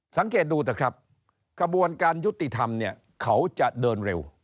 สังเกตดูสิครับกระบวนการยุติธรรมเขาจะเดินเร็ว